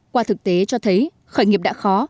qua thực tế cho thấy khởi nghiệp đã khó